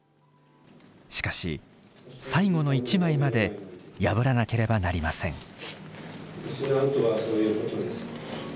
しかし最後の一枚まで破らなければなりません。